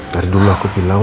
dari dulu aku bilang